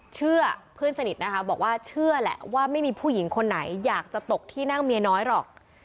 เชื่อเพื่อนสนิทนะคะบอกว่าเชื่อแหละว่าไม่มีผู้หญิงคนไหนอยากจะตกที่นั่งเมียน้อยหรอก